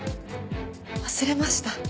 忘れました。